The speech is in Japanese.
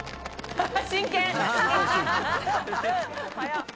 早っ！